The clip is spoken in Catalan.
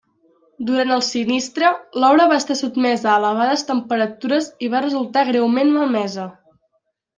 Durant el sinistre, l'obra va estar sotmesa a elevades temperatures i va resultar greument malmesa.